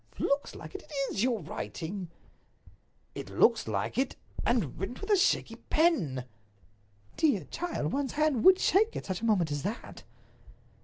"Looks like it! It is your writing." "It looks like it—and written with a shaky pen." "My dear child, one's hand would shake at such a moment as that."